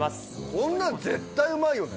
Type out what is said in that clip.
こんなん絶対うまいよね。